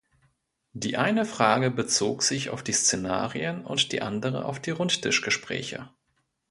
Die eine Frage bezog sich auf die Szenarien und die andere auf die Rundtischgespräche.